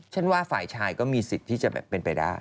เช่นว่าฝ่ายชายก็มีสิทธิที่จะเป็นไปได้